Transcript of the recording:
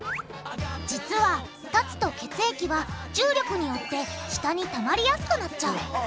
実は立つと血液は重力によって下にたまりやすくなっちゃう。